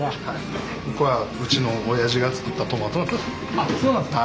あっそうなんですか！